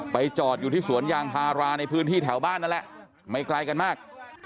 จอดอยู่ที่สวนยางพาราในพื้นที่แถวบ้านนั่นแหละไม่ไกลกันมาก